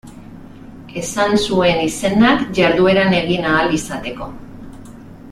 Esan zuen izenak jardueran egin ahal izateko.